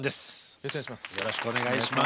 よろしくお願いします。